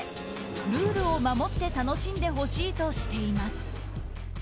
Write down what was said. ルールを守って楽しんでほしいとしています。